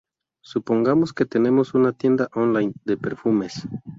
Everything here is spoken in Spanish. Supongamos que tenemos una tienda online de perfumes.